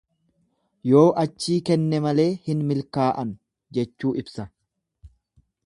Yoo achii kenne malee hin milkaa'an jechuu ibsa.